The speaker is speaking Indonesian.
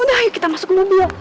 udah ayo kita masuk ke mobil ya